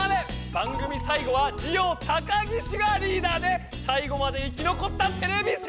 番組最後はジオ高岸がリーダーで最後まで生き残ったてれび戦士が優勝だ！